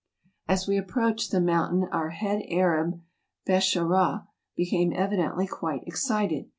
As we approached the mountain our head Arab, Besharah, became evidently quite excited.